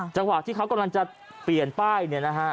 จังหวะที่เขากำลังจะเปลี่ยนป้ายเนี่ยนะฮะ